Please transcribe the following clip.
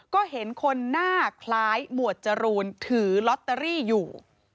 ก็เห็นคนหน้าคล้ายหมวดจรูนถือลอตเตอรี่อยู่